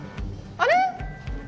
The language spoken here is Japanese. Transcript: あれ？